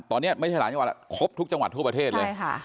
ตอนนี้ไม่ใช่หลายจังหวัดครบทุกจังหวัดทั่วประเทศเลย